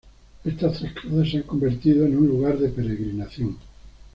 Estas tres cruces se han convertido en un lugar de peregrinación.